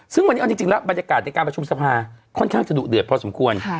ซึ่งวันนี้เอาจริงแล้วบรรยากาศในการประชุมสภาค่อนข้างจะดุเดือดพอสมควร